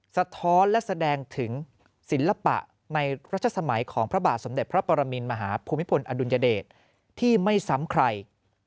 สะท้อนและแสดงถึงศิลปะในรัชสมัยของพระบาทสมเด็จพระปรมินมหาภูมิพลอดุลยเดชที่ไม่ซ้ำใคร